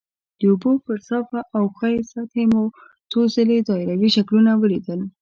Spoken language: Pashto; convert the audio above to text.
د اوبو پر صافه او ښویې سطحې مو څو ځلې دایروي شکلونه ولیدل.